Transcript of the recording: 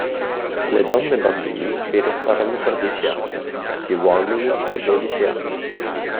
Le donne e bambini vi restarono per dieci anni, gli uomini per dodici anni.